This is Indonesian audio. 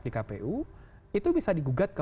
di kpu itu bisa digugat ke